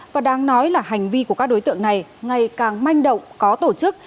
và đáng nói là hành vi của các đối tượng này ngày càng manh động có tổ chức